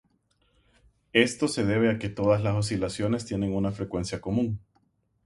Esto se debe a que todas las oscilaciones tienen una frecuencia común.